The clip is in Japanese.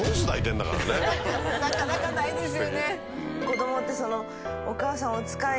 子供って。